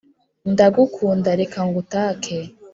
Ndagukunda reka ngutake